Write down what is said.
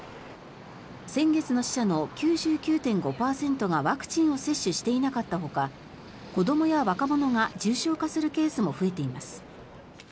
先月の死者の９９．５％がワクチンを接種していなかったほか子どもや若者が重症化するケースも増えています。